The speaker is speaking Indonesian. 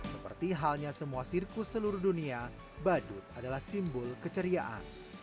seperti halnya semua sirkus seluruh dunia badut adalah simbol keceriaan